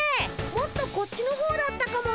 もっとこっちのほうだったかも。